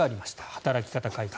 働き方改革。